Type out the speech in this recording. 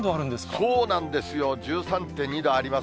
そうなんですよ、１３．２度あります。